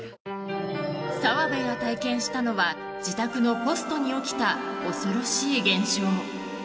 澤部が体験したのは自宅のポストに起きた恐ろしい現象。